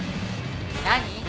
何？